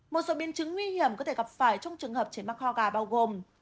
một số biên chứng nguy hiểm có thể gặp phải trong trường hợp trẻ mắc ho gà bao gồm